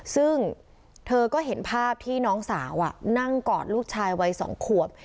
ซึ่งเธอก็เห็นภาพที่น้องสาวนั่งกอดลูกชายวัย๒ขวบ